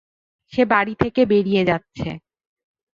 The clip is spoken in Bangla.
সে বাড়ি থেকে বেরিয়ে যাচ্ছে।